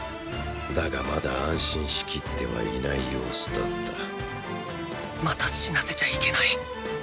だがまだ安心しきってはいない様子だったまた死なせちゃいけない。